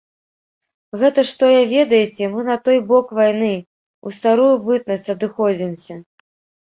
Гэта ж тое ведайце, мы на той бок вайны, у старую бытнасць адыходзімся.